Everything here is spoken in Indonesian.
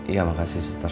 ya makasih sister